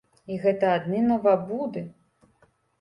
І гэта адны навабуды.